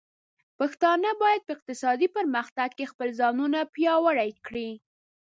پښتانه بايد په اقتصادي پرمختګ کې خپل ځانونه پياوړي کړي.